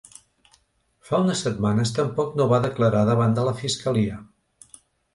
Fa unes setmanes tampoc no va declarar davant de la fiscalia.